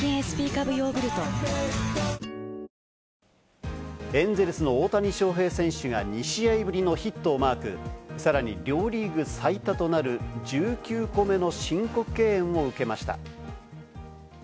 誕生エンゼルスの大谷翔平選手が２試合ぶりのヒットをマーク、さらに両リーグ最多となる１９個目の申告敬遠を受けました。